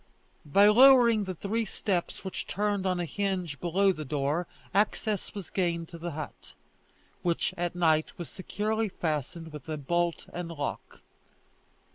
By lowering the three steps which turned on a hinge below the door, access was gained to the hut, which at night was securely fastened with bolt and lock.